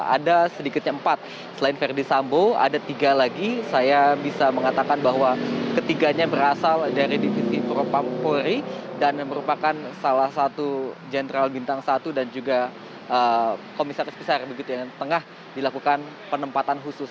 ada sedikitnya empat selain verdi sambo ada tiga lagi saya bisa mengatakan bahwa ketiganya berasal dari divisi propampori dan merupakan salah satu jenderal bintang satu dan juga komisaris besar begitu yang tengah dilakukan penempatan khusus